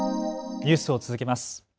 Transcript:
ニュースを続けます。